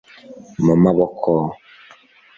mu maboko